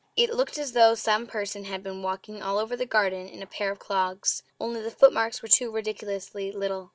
It looked as though some person had been walking all over the garden in a pair of clogs only the footmarks were too ridiculously little!